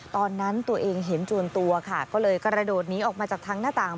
ตอนนั้นตัวเองเห็นจวนตัวค่ะก็เลยกระโดดหนีออกมาจากทางหน้าต่าง